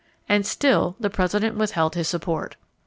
And still the President withheld his support.